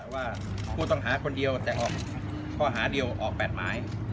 ว่าผู้ต้องหาคนเดียวแต่ออกข้อหาเดียวออก๘หมาย